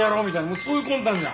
もうそういう魂胆じゃん。